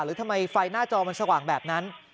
หรือทำไมไฟหน้าจอมันสว่างแบบนั้น